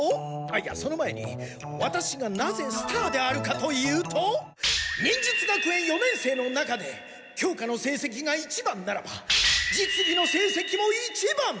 いやその前にワタシがなぜスターであるかというと忍術学園四年生の中で教科のせいせきが一番ならば実技のせいせきも一番！